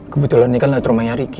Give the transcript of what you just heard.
kebetulan ini kan latar rumahnya ricky